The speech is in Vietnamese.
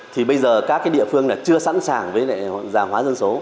thì bây giờ các địa phương chưa sẵn sàng với giả hóa dân số